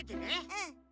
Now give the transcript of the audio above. うん。